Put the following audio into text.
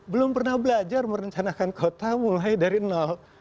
belum pernah belajar merencanakan kota mulai dari nol